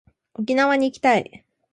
沖縄に行きたい